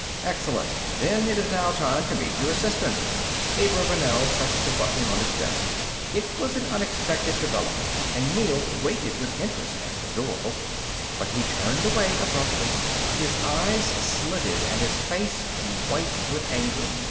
"Excellent. Then it is now time to meet your assistant." Abravanel touched a button on his desk. It was an unexpected development and Neel waited with interest as the door opened. But he turned away abruptly, his eyes slitted and his face white with anger.